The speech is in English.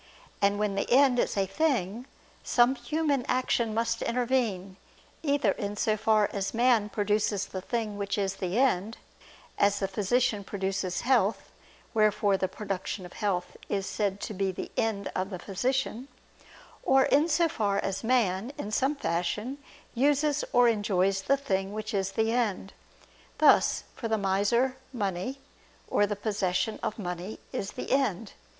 And when the end is a thing, some human action must intervene; either in so far as man produces the thing which is the end, as the physician produces health (wherefore the production of health is said to be the end of the physician); or in so far as man, in some fashion, uses or enjoys the thing which is the end; thus for the miser, money or the possession of money is the end.